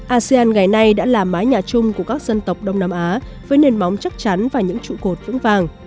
asean ngày nay đã là mái nhà chung của các dân tộc đông nam á với nền móng chắc chắn và những trụ cột vững vàng